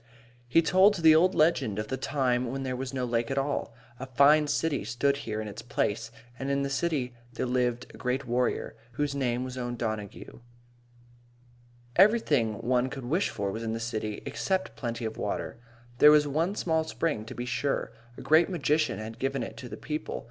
He told the old legend of the time when there was no lake at all. A fine city stood here in its place, and in the city there lived a brave warrior, whose name was O'Donaghue. Everything one could wish for was in the city except plenty of water. There was one small spring, to be sure. A great magician had given it to the people.